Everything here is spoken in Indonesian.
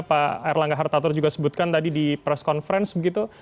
pak erlangga hartarto juga sebutkan tadi di press conference begitu